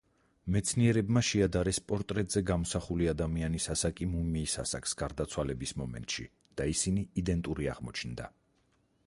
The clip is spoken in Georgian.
მეცნიერებმა შეადარეს პორტრეტზე გამოსახული ადამიანის ასაკი მუმიის ასაკს გარდაცვალების მომენტში და ისინი იდენტური აღმოჩნდა.